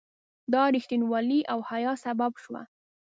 دا رښتینولي او حیا سبب شوه.